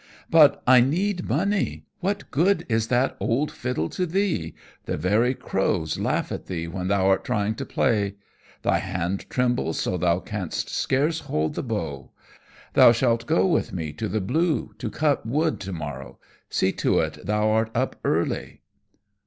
"But I need money; what good is that old fiddle to thee? The very crows laugh at thee when thou art trying to play. Thy hand trembles so thou canst scarce hold the bow. Thou shalt go with me to the Blue to cut wood to morrow. See to it thou art up early."